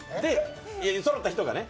そろった人がね。